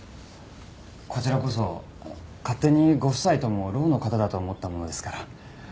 こちらこそ勝手にご夫妻とも聾の方だと思ったものですから。